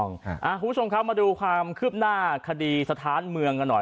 คุณผู้ชมครับมาดูความคืบหน้าคดีสถานเมืองกันหน่อย